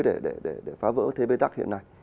để phá vỡ thế bê tắc hiện nay